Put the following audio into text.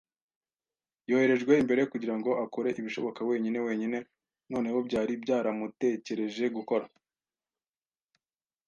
yoherejwe imbere kugirango akore ibishoboka wenyine wenyine. Noneho byari byaramutekereje gukora